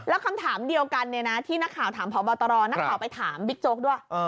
แล้วคำถามเดียวกันที่นักข่าวถามพบตรนักข่าวไปถามบิ๊กโจ๊กด้วย